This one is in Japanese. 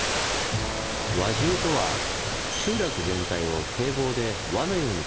「輪中」とは集落全体を堤防で輪のように囲った地域のこと。